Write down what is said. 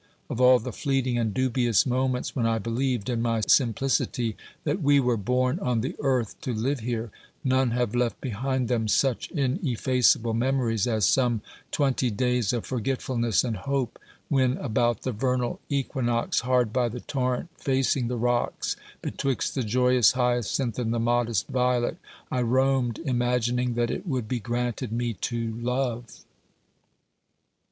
Of all the fleeting and dubious moments when I believed, in my simplicity, that we were born on the earth to live here, none have left behind them such ineffaceable memories as some twenty days of forget fulness and hope, when, about the vernal equinox, hard by the torrent, facing the rocks, betwixt the joyous hyacinth and the modest violet, I roamed imagining that it would be granted me to love.